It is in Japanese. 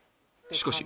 しかし。